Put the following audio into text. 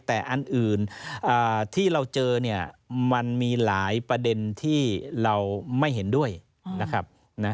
แต่อันอื่นที่เราเจอเนี่ยมันมีหลายประเด็นที่เราไม่เห็นด้วยนะครับ